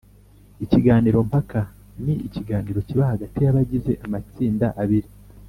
Ikiganiro mpaka ni ikiganiro kiba hagati y’abagize amatsinda abiri